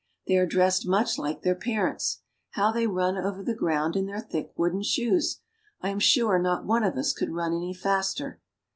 They are dressed much like their parents. How they run over the ground in their thick wooden shoes ! I am sure not one of us could run any faster.